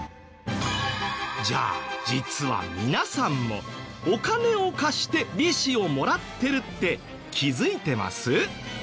じゃあ実は皆さんもお金を貸して利子をもらってるって気づいてます？